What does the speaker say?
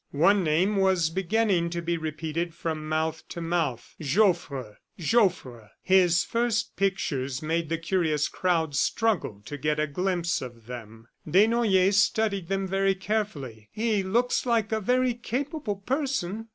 One name was beginning to be repeated from mouth to mouth, "Joffre ... Joffre." His first pictures made the curious crowds struggle to get a glimpse of them. Desnoyers studied them very carefully. "He looks like a very capable person."